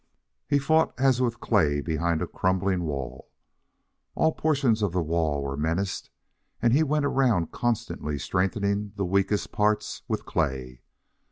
He fought as with clay behind a crumbling wall. All portions of the wall were menaced, and he went around constantly strengthening the weakest parts with clay.